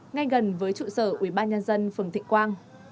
ngay gần với trụ sở ubnd phường thịnh quang